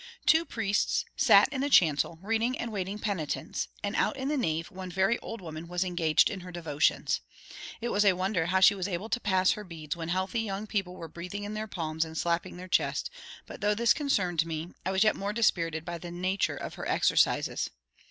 Two priests sat in the chancel, reading and waiting penitents; and out in the nave, one very old woman was engaged in her devotions. It was a wonder how she was able to pass her beads when healthy young people were breathing in their palms and slapping their chest; but though this concerned me, I was yet more dispirited by the nature of her exercises.